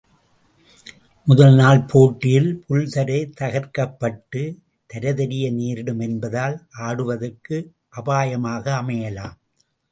முதல் நாள் போட்டியில் புல்தரை தகர்க்கப்பட்டு, தரை தெரிய நேரிடும் என்பதால், ஆடுவதற்கு அபாயமாக அமையலாம்.